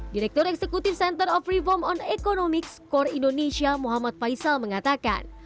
direktur eksekutif center of reform on economics core indonesia muhammad faisal mengatakan